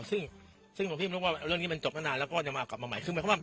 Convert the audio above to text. ซึ่งผมรู้ว่าเรื่องนี้มันจบก็นานแล้วก็จะมากลับมาใหม่